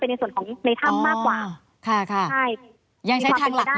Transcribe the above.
เป็นในส่วนของในถ้ำมากกว่าค่ะค่ะใช่ยังใช้ทางหลักอยู่ค่ะ